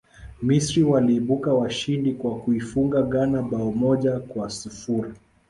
misri waliibuka washindi kwa kuifunga ghana bao moja kwa sifuri